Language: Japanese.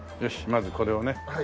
まずこれをね